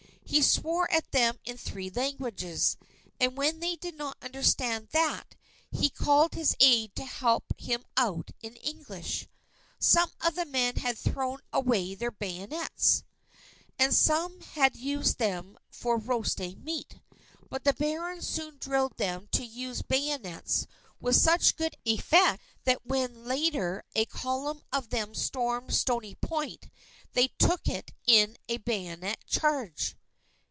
He swore at them in three languages; and, when they did not understand that, he called his aide to help him out in English. Some of the men had thrown away their bayonets, and some had used them for roasting meat. But the Baron soon drilled them to use bayonets with such good effect that when later a column of them stormed Stony Point they took it in a bayonet charge.